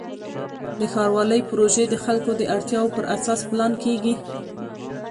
د ښاروالۍ پروژې د خلکو د اړتیاوو پر اساس پلان کېږي.